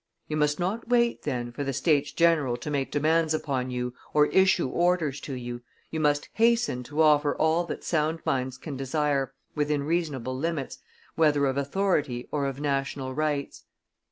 "You must not wait, then, for the States general to make demands upon you or issue orders to you; you must hasten to offer all that sound minds can desire, within reasonable limits, whether of authority or of national rights.